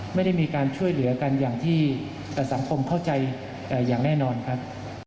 ไม่ได้มีการช่วยเหลือกันอย่างที่สังคมเข้าใจอย่างแน่นอนครับ